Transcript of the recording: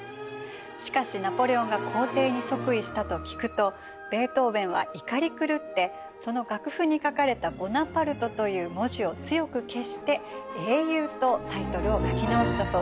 しかしナポレオンが皇帝に即位したと聞くとベートーベンは怒り狂ってその楽譜に書かれた「ボナパルト」という文字を強く消して「英雄」とタイトルを書き直したそうです。